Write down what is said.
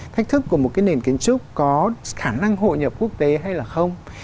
thách thức của một cái nền kiến trúc có khả năng hội nhập quốc tế hay là không